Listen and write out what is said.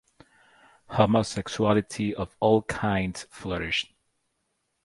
Homosexuality of all kinds flourished.